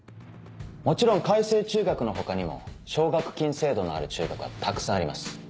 もちろん開成中学の他にも奨学金制度のある中学はたくさんあります。